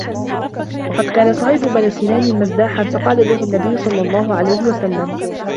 وَقَدْ كَانَ صُهَيْبُ بْنُ سِنَانٍ مَزَّاحًا فَقَالَ لَهُ النَّبِيُّ صَلَّى اللَّهُ عَلَيْهِ وَسَلَّمَ